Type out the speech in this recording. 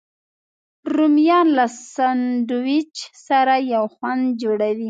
رومیان له سنډویچ سره یو خوند جوړوي